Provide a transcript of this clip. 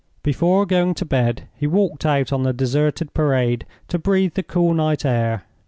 Before going to bed, he walked out on the deserted Parade to breathe the cool night air.